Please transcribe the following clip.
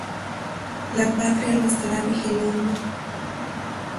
La Patria lo estará vigilando".